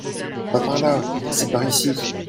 Pas par là, c’est par ici !